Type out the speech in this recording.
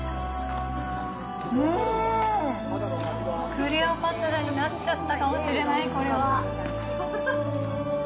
クレオパトラになっちゃったかもしれない、これは！ハハハ。